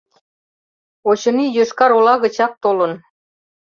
Очыни, Йошкар-Ола гычак толын.